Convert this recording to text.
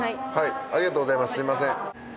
ありがとうございますすみません。